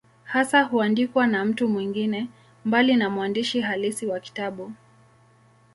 Hasa huandikwa na mtu mwingine, mbali na mwandishi halisi wa kitabu.